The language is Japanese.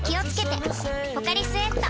「ポカリスエット」